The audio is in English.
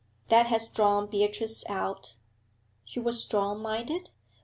That had drawn Beatrice out. 'She was strong minded?'